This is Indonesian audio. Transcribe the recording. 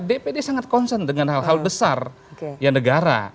dpd sangat concern dengan hal hal besar yang negara